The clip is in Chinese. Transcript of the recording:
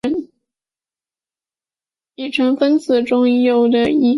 己醛糖是分子中有醛基的己糖。